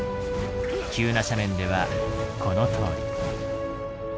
急な斜面ではこのとおり。